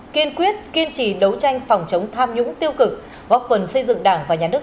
kiên quyết kiên trì đấu tranh phòng chống tham nhũng tiêu cực góp phần xây dựng đảng và nhà nước